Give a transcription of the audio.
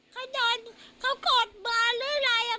เค้าโดนเค้ากดมาหรืออะไรอะ